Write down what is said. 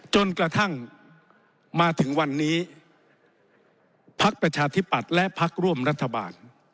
จนกระทั่งมาถึงวันนี้พักประชาธิปัตย์และพักร่วมรัฐบาล